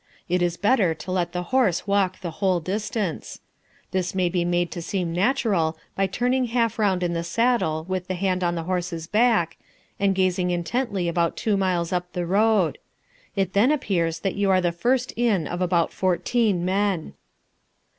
It is better to let the horse walk the whole distance. This may be made to seem natural by turning half round in the saddle with the hand on the horse's back, and gazing intently about two miles up the road. It then appears that you are the first in of about fourteen men.